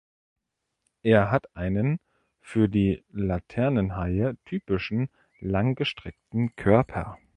Er hat einen für die Laternenhaie typischen langgestreckten Körper.